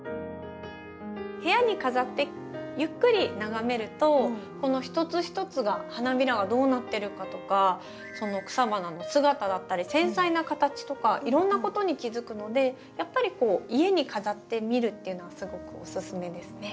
部屋に飾ってゆっくり眺めるとこの一つ一つが花びらがどうなってるかとかその草花の姿だったり繊細な形とかいろんなことに気付くのでやっぱり家に飾ってみるっていうのはすごくおすすめですね。